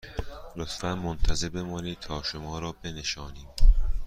لطفاً منتظر بمانید تا شما را بنشانیم